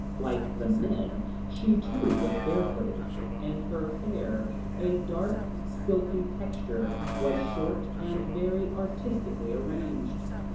Like the men, she too was bare footed, and her hair, a dark silky texture, was short and very artistically arranged.